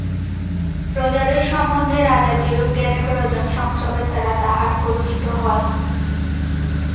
প্রজাদের সম্বন্ধে রাজার যেরূপ জ্ঞানের প্রয়োজন সংস্রবের দ্বারা তাহার কলুষিত হয়।